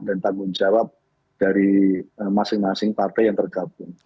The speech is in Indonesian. dan tanggung jawab dari masing masing partai yang tergabung